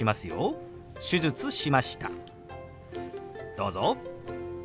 どうぞ。